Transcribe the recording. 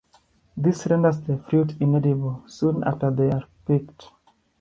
This renders the fruits inedible soon after they are picked.